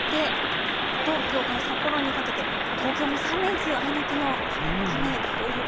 東京から札幌にかけて東京も３連休、あいにくの雨です。